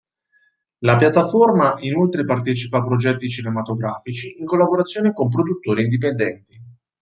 La piattaforma inoltre partecipa a progetti cinematografici in collaborazione con produttori indipendenti.